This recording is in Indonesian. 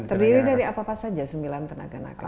terdiri dari apa saja sembilan tenaga nakes itu